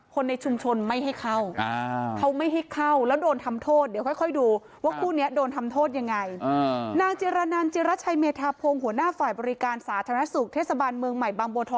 คนในชุมชนไม่ให้เข้าเขาไม่ให้เข้าแล้วโดนทำโทษเดี๋ยวค่อยดูว่าคู่เนี่ยโดนทำโทษยังไง